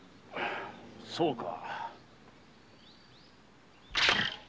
そうか。